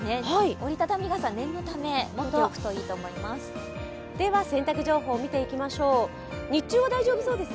折り畳み傘、念のため持っておくといいと思います。